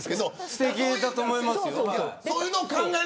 すてきだと思いますよ。